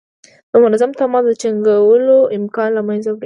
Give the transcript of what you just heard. د منظم تماس د ټینګولو امکان له منځه وړي.